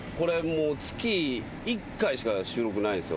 月１回しか収録ないんすよ。